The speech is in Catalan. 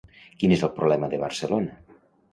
Quin és el problema de Barcelona?